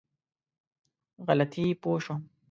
غلطي پوه شوم.